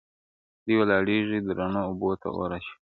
دوى ولاړيـــږي د رڼـا اوبـــو تــه اور اچــوي,